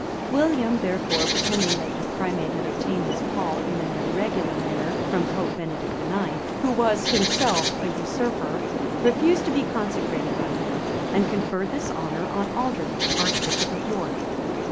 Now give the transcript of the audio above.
William, therefore, pretending that the primate had obtained his pall in an irregular manner from Pope Benedict IX., who was himself a usurper, refused to be consecrated by him, and conferred this honor on Aldred, arch bishop of York.